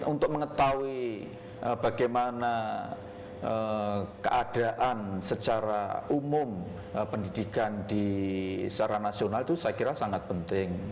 untuk mengetahui bagaimana keadaan secara umum pendidikan secara nasional itu saya kira sangat penting